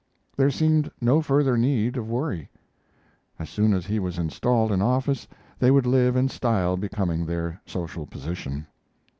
There seemed no further need of worry. As soon as he was installed in office they would live in style becoming their social position.